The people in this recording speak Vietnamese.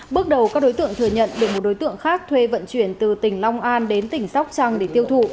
bước đầu các đối tượng thừa nhận được một đối tượng khác thuê vận chuyển từ tỉnh long an đến tỉnh sóc trăng để tiêu thụ